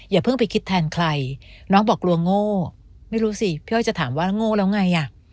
อย่าเพิ่งไปคิดแทนใครน้องบอกกลัวโง่ไม่รู้สิพี่อ้อยจะถามว่าแล้วโง่แล้วไงอ่ะ